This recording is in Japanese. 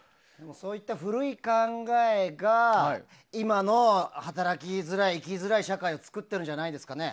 そういった古い考えが今の働きづらい生きづらい社会を作っているんじゃないんですかね。